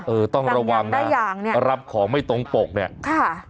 เออต้องระวังนะรับของไม่ตรงปกเนี่ยค่ะ